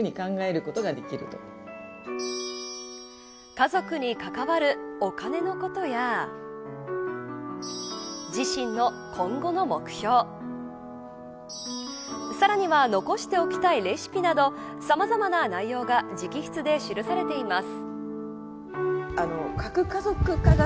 家族に関わるお金のことや自身の今後の目標さらには残しておきたいレシピなどさまざまな内容が直筆で記されています。